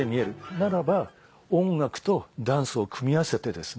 ならば音楽とダンスを組み合わせてですね